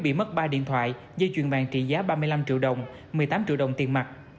bị mất ba điện thoại dây chuyền vàng trị giá ba mươi năm triệu đồng một mươi tám triệu đồng tiền mặt